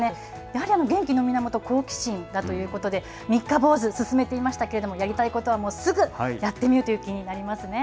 やはり、元気の源、好奇心だということで、三日坊主、勧めていましたけれども、やりたいことはもうすぐやってみようという気になりますね。